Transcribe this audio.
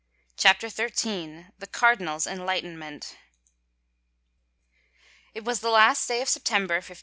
CHAPTER XIII THE CARDINAL'S ENLIGHTENMENT XT was the last day of September, 1527.